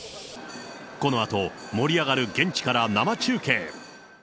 このあと盛り上がる現地から生中継。